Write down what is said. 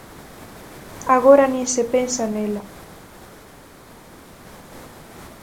Agora nin se pensa nela.